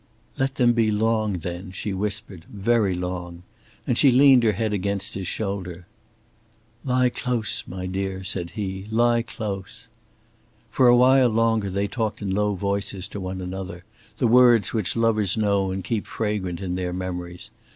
"Let them be long, then," she whispered, "very long," and she leaned her head against his shoulder. "Lie close, my dear," said he. "Lie close!" For a while longer they talked in low voices to one another, the words which lovers know and keep fragrant in their memories.